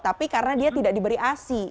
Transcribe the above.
tapi karena dia tidak diberi asi